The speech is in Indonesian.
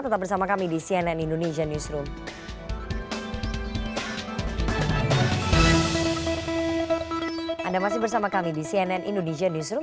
tetap bersama kami di cnn indonesian newsroom